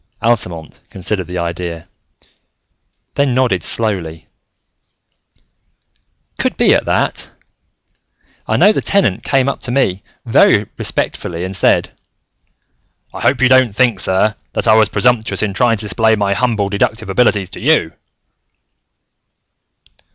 Altamont considered the idea, then nodded slowly. "Could be, at that. I know the Tenant came up to me, very respectfully, and said, 'I hope you don't think, sir, that I was presumptuous in trying to display my humble deductive abilities to you.'"